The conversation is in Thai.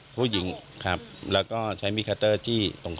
ผู้หญิงครับแล้วก็ใช้มีคัตเตอร์จี้ตรงคอ